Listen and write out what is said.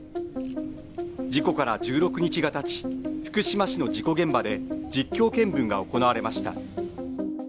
事故から１６日がたち福島市の事故現場で実況見分が行われました。